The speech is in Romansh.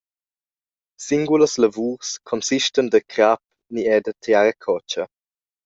Singulas lavurs consistan da crap ni era da tiaracotga.